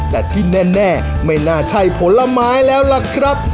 แต่ที่แน่ไม่น่าใช่ผลไม้แล้วล่ะครับ